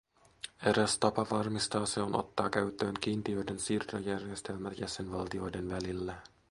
Eräs tapa varmistaa se on ottaa käyttöön kiintiöiden siirtojärjestelmä jäsenvaltioiden välillä.